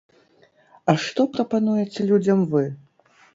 А што прапануеце людзям вы?